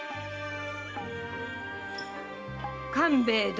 官兵衛殿。